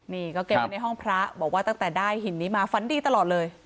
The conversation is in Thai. นี่ก็เก็บไว้ในห้องพระบอกว่าตั้งแต่ได้หินนี้มาฝันดีตลอดเลย